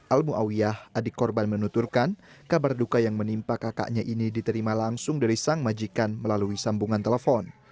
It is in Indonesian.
al ⁇ muawiyah adik korban menuturkan kabar duka yang menimpa kakaknya ini diterima langsung dari sang majikan melalui sambungan telepon